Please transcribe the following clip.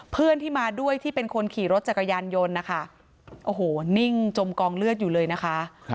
เพื่อนที่มาด้วยที่เป็นคนขี่รถจักรยานยนต์นะคะโอ้โหนิ่งจมกองเลือดอยู่เลยนะคะ